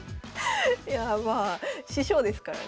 いやあまあ師匠ですからね。